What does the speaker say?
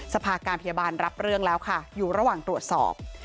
สภาการพยาบาลรับเรื่องแล้วค่ะอยู่ระหว่างตรวจสอบ